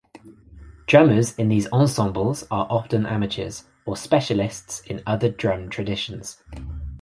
Drummers in these ensembles are often amateurs, or specialists in other drum traditions.